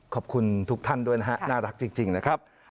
ขอบคุณทุกท่านด้วยนะฮะน่ารักจริงนะครับ